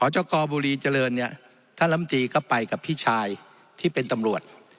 จกบุรีเจริญเนี่ยท่านลำตีก็ไปกับพี่ชายที่เป็นตำรวจ